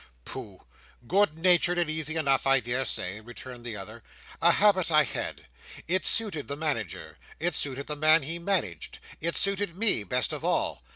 "Pooh! Good natured and easy enough, I daresay," returned the other, "a habit I had. It suited the Manager; it suited the man he managed: it suited me best of all.